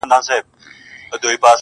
o په امان له هر مرضه په تن جوړ ؤ,